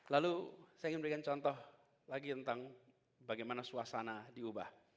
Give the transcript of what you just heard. lalu saya ingin memberikan contoh lagi tentang bagaimana suasana diubah